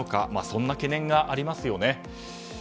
そんな懸念がありますよね。